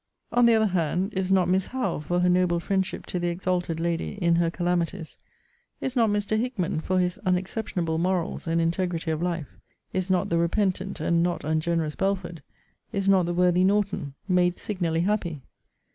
On the other hand, is not Miss HOWE, for her noble friendship to the exalted lady in her calamities is not Mr. HICKMAN, for his unexceptionable morals, and integrity of life is not the repentant and not ungenerous BELFORD is not the worthy NORTON made signally happy?